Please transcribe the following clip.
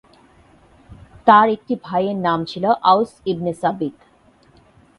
তার একটি ভাইয়ের নাম ছিলো আওস ইবনে সাবিত।